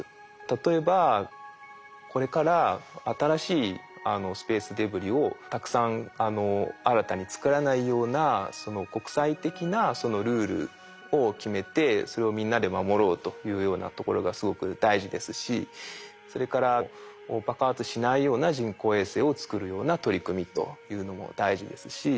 例えばこれから新しいスペースデブリをたくさん新たに作らないような国際的なルールを決めてそれをみんなで守ろうというようなところがすごく大事ですしそれから爆発しないような人工衛星を作るような取り組みというのも大事ですし。